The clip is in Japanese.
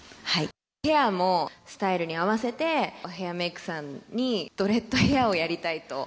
ヘアもスタイルに合わせて、ヘアメークさんにドレッドヘアをやりたいと。